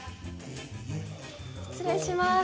失礼します。